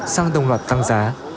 sang đông loạt tăng giá